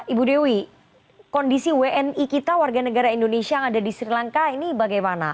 ibu dewi kondisi wni kita warga negara indonesia yang ada di sri lanka ini bagaimana